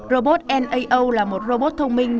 robot nao là một robot thông minh